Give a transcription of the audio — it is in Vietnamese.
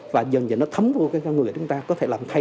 và dần dần nó thấm vô các người của chúng ta